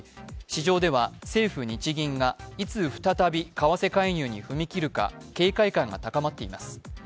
市場では政府・日銀がいつ再び為替介入に踏み切るか、警戒感が高まっています。